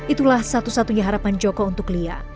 itulah satu satunya harapan joko untuk lia